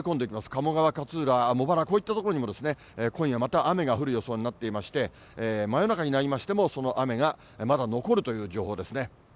鴨川、勝浦、茂原、こういった所にも今夜また雨が降る予想になっていまして、真夜中になりましても、その雨がまだ残るという情報ですね。